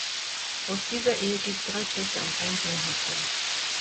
Aus dieser Ehe gingen drei Töchter und ein Sohn hervor.